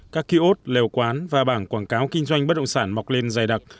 các kỳ ốt liều quán và bảng quảng cáo kinh doanh bất động sản mọc lên dài đặc